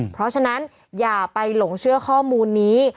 เพราะฉะนั้นอย่าไปหลงเชื่อข้อมูลนี้